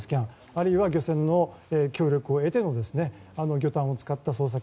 あるいは漁船の協力を得て魚探を使った捜索